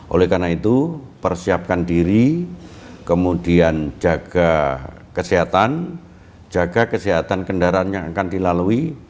oleh karena itu persiapkan diri kemudian jaga kesehatan jaga kesehatan kendaraan yang akan dilalui